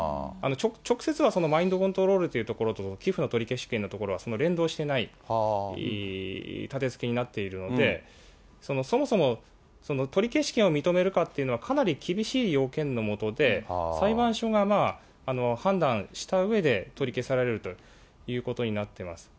直接はそのマインドコントロールのところと寄付の取消権のところは連動してない建てつけになっているので、そもそも、取消権を認めるかというのは、かなり厳しい要件のもとで、裁判所が判断したうえで取り消されるということになってます。